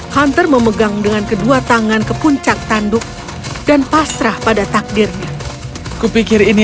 hunter memegang dengan kedua tangan ke puncak tanduk dan pasrah pada takdirnya kupikir ini